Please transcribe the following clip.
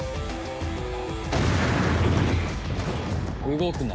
動くな。